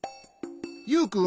ユウくん。